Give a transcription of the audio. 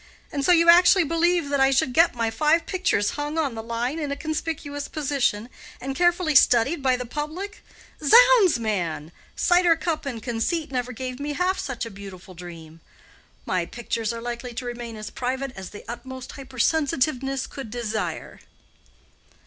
And so you actually believe that I should get my five pictures hung on the line in a conspicuous position, and carefully studied by the public? Zounds, man! cider cup and conceit never gave me half such a beautiful dream. My pictures are likely to remain as private as the utmost hypersensitiveness could desire."